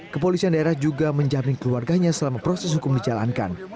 kepolisian daerah juga menjamin keluarganya selama proses hukum dijalankan